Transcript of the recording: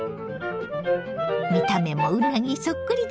見た目もうなぎそっくりでしょ。